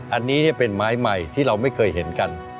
อันนี้เป็นไม้ใหม่ที่เราไม่เคยเห็นกัน